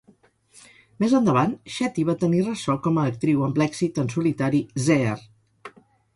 Més endavant, Shetty va tenir ressò com a actriu amb l'èxit en solitari "Zeher".